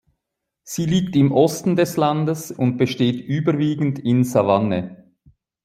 Sie liegt im Osten des Landes und besteht überwiegend in Savanne.